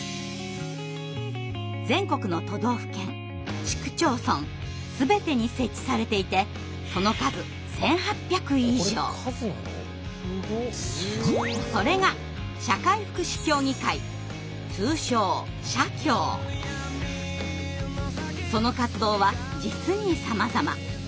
全国の都道府県市区町村全てに設置されていてその数それがその活動は実にさまざま。